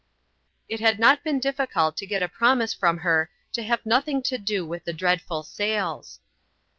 It had not been difficult to get a promise from her to have nothing to do with the dreadful sales.